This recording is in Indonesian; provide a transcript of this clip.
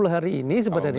enam puluh hari ini sebenarnya